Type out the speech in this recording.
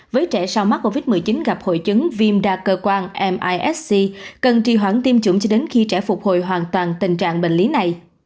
với trẻ sau mắc covid một mươi chín gặp hội chứng viêm đa cơ quan misc cần trì hoãn tiêm chủng cho đến khi trẻ phục hồi hoàn toàn tình trạng bệnh lý này